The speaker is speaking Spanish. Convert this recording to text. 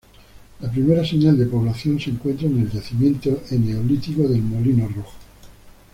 La primera señal de población se encuentra en el yacimiento eneolítico del "Molino Rojo".